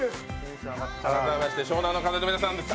改めまして湘南乃風の皆さんです。